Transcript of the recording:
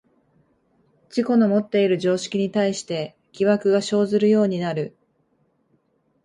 自己のもっている常識に対して疑惑が生ずるようになる。